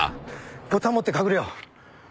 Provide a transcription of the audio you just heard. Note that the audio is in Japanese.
ボタン持って隠れよう。